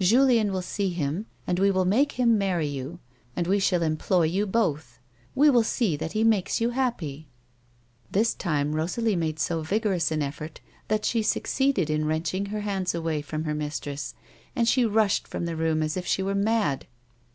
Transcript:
Julien will see him, and we will make him marry you, and we shall employ you both ; we will see that he makes you happy." This time Rosalie made so vigorous an effort, that she succeeded in wrenching her hands away from her mistress, and she rushed from the room as if she were mad.